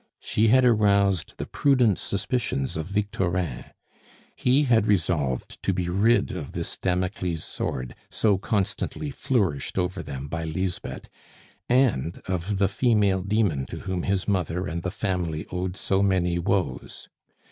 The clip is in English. She had aroused the prudent suspicions of Victorin. He had resolved to be rid of this Damocles' sword so constantly flourished over them by Lisbeth, and of the female demon to whom his mother and the family owed so many woes.